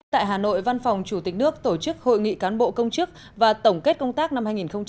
tại hà nội văn phòng chủ tịch nước tổ chức hội nghị cán bộ công chức và tổng kết công tác năm hai nghìn một mươi chín